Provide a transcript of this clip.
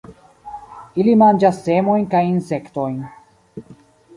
Ili manĝas semojn kaj insektojn.